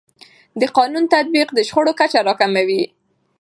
د قانون تطبیق د شخړو کچه راکموي.